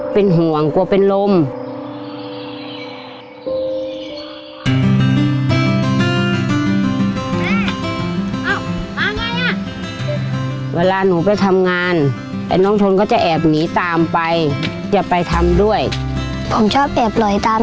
เป็นห่วงหวังกว่าเป็นล้ม